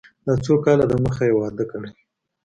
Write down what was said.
دا څو کاله د مخه يې واده کړى.